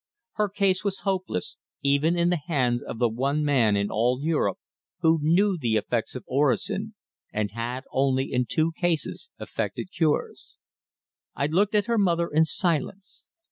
Her case was hopeless, even in the hands of the one man in all Europe who knew the effects of orosin and had only in two cases effected cures. I looked at her mother in silence.